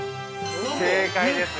◆正解です。